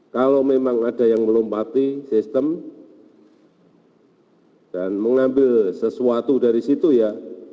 kalau memang ada yang melompati sistem dan mengambil sesuatu dari situ ya